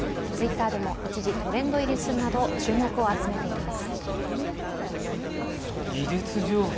Ｔｗｉｔｔｅｒでも一時、トレンド入りするなど注目を集めています。